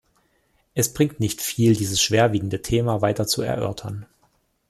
Es bringt nicht viel, dieses schwerwiegende Thema weiter zu erörtern.